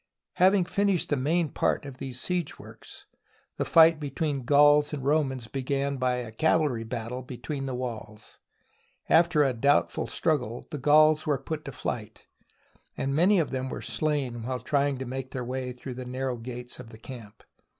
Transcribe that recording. Having finished the main part of these siege works, the fight between Gauls and Romans be gan by a cavalry battle between the walls. After a doubtful struggle, the Gauls were put to flight, and many of them were slain while trying to make their way through the narrow gates of the camp.